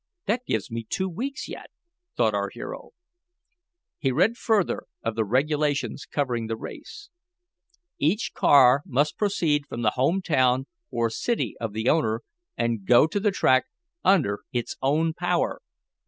"That gives me two weeks yet," thought our hero. He read further of the regulations covering the race. Each car must proceed from the home town or city of the owner, and go to the track under its own power.